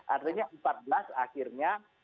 artinya empat belas akhirnya